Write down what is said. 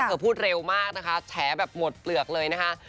พูดเร็วมากนะคะแฉแบบหมดเปลือกเลยนะคะ